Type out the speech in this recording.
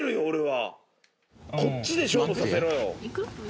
こっちで勝負させろよ・